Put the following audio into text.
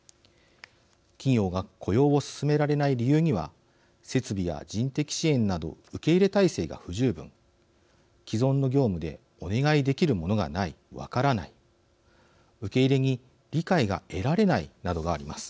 企業が雇用を進められない理由には設備や人的支援など受け入れ態勢が不十分既存の業務でお願いできるものがない分からない受け入れに理解が得られないなどがあります。